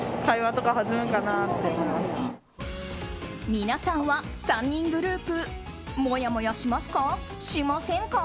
皆さんは３人グループもやもやしますか？